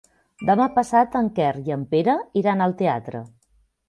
Demà passat en Quer i en Pere iran al teatre.